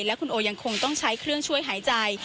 และคุณโอยังคงต้องใช้เครื่องช่วยหายใจ